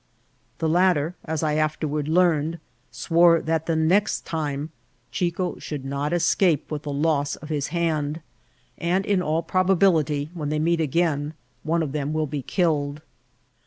^ The latter, as I afterward learned, swore that the next time Chioo should not escape with the loss of his hand; and, in all probability, when they meet again <me of them will be killed.